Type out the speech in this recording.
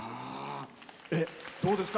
どうですか？